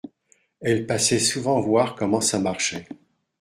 Elle passait souvent voir comment ça marchait